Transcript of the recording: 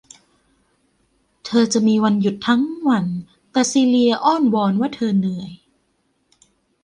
เธอจะมีวันหยุดทั้งวัน แต่ซีเลียอ้อนวอนว่าเธอเหนื่อย